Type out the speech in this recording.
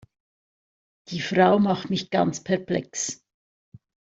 Die Frau macht mich ganz perplex.